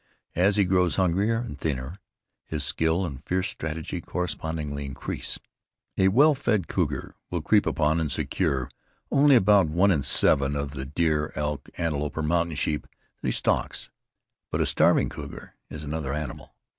As he grows hungrier and thinner, his skill and fierce strategy correspondingly increase. A well fed cougar will creep upon and secure only about one in seven of the deer, elk, antelope or mountain sheep that he stalks. But a starving cougar is another animal.